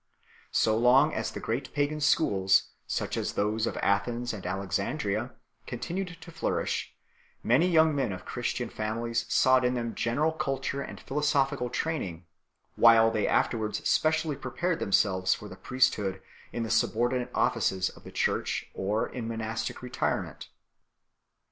So lung as the great pagan schools, such as those of Athens and Alex andria, continued to flourish, many young men of Christian families sought in them general culture and philosophical training, while they afterwards specially prepared them selves for the priesthood in the subordinate offices of the Church or in monastic retirement.